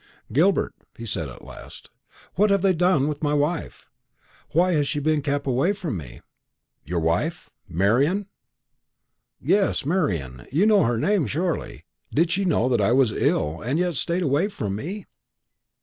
"Gilbert," he said at last, "what have they done with my wife? Why has she been kept away from me?" "Your wife? Marian?" "Yes Marian. You know her name, surely. Did she know that I was ill, and yet stayed away from me?"